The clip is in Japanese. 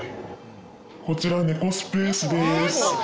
こちら、ねこスペースです。